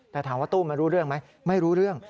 แต่ถามว่าตู้มันรู้เรื่องไหมไม่รู้เรื่อง